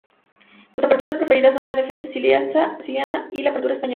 Sus aperturas preferidas son la Defensa siciliana y la Apertura española.